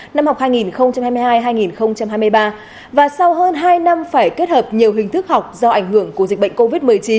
năm học hai nghìn hai mươi hai hai nghìn hai mươi ba và sau hơn hai năm phải kết hợp nhiều hình thức học do ảnh hưởng của dịch bệnh covid một mươi chín